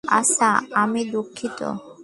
আচ্ছা, আমি দুঃখিত!